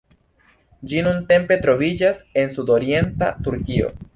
Ĝi nuntempe troviĝas en sudorienta Turkio.